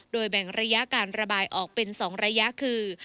โดยแบ่งระยะการระบายออกเป็น๒ระยะคือ